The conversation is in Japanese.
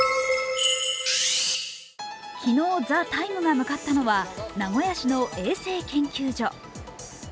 昨日「ＴＨＥＴＩＭＥ，」が向かったのは名古屋市の衛生研究所。